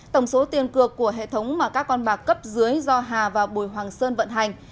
tổng số tiền cược của hệ thống mà các con bạc cấp dưới do hà và bùi hoàng sơn vận hành